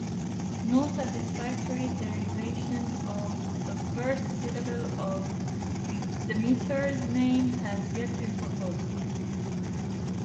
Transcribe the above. No satisfactory derivation of the first syllable of Demeter's name has yet been proposed.